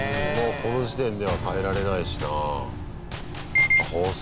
もうこの時点では変えられないしな。